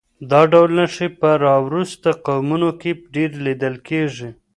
دا ډول نښې په راوروسته قومونو کې ډېرې لیدل کېږي